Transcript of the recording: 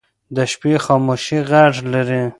د شپې خاموشي غږ لري